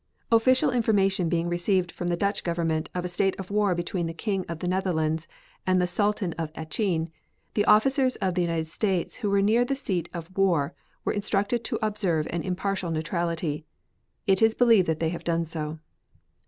Official information being received from the Dutch Government of a state of war between the King of the Netherlands and the Sultan of Acheen, the officers of the United States who were near the seat of the war were instructed to observe an impartial neutrality. It is believed that they have done so.